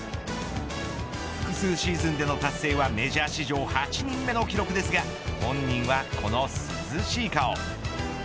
複数シーズンでの達成はメジャー史上８人目の記録ですが本人はこの涼しい顔。